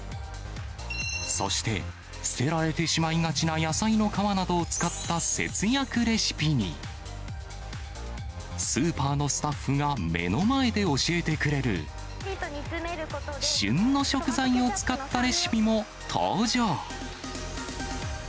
そして、捨てられてしまいがちな野菜の皮などを使った節約レシピに、スーパーのスタッフが目の前で教えてくれる、旬の食材を使ったレシピも登場。